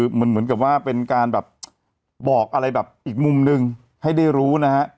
เหมือนกับเป็นการบอกอะไรอีกมุมนึงให้ได้รู้